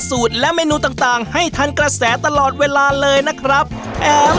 สูตรและเมนูต่างต่างให้ทันกระแสตลอดเวลาเลยนะครับแถม